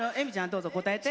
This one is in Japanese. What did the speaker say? どうぞ答えて。